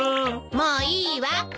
もういいわ。